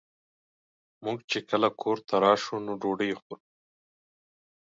مونږ چې کله کور ته راشو نو ډوډۍ خورو